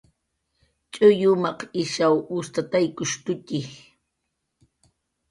Tx'uy umaq ishaw ustataykushtutxi